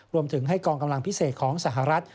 รวมถึงให้กองกำลังพิเศษของสหรัฐ